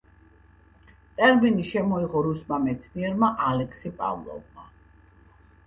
ტერმინი შემოიღო რუსმა მეცნიერმა ალექსი პავლოვმა.